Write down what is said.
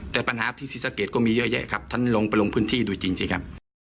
แต่ปัญหาที่ศรีสะเกดก็มีเยอะแยะครับท่านลงไปลงพื้นที่ดูจริงสิครับ